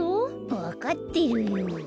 わかってるよ。